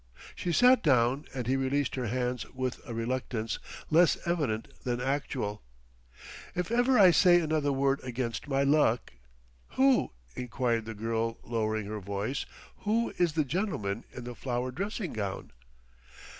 She sat down and he released her hands with a reluctance less evident than actual. "If ever I say another word against my luck " "Who," inquired the girl, lowering her voice, "who is the gentleman in the flowered dressing gown?"